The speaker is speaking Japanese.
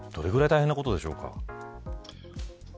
どれくらい大変なことでしょうか。